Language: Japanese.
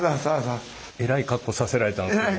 えらい格好させられたんですけども。